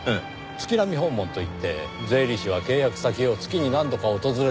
月次訪問といって税理士は契約先を月に何度か訪れるんです。